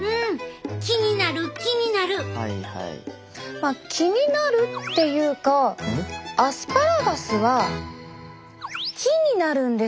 まあ気になるっていうかアスパラガスは木になるんです。